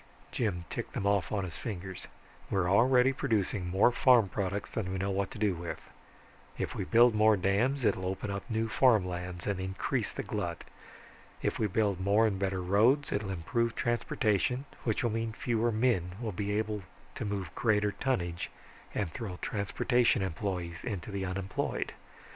Jim ticked them off on his fingers. "We already are producing more farm products than we know what to do with; if we build more dams it'll open up new farm lands and increase the glut. If we build more and better roads, it will improve transportation, which will mean fewer men will be able to move greater tonnage and throw transportation employees into the unemployed.